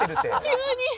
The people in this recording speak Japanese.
急に。